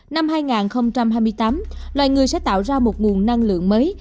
năm hai nghìn hai mươi tám loài người sẽ tạo ra một nguồn năng lượng mới